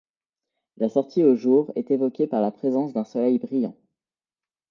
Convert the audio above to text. La sortie au jour est évoquée par la présence d'un soleil brillant.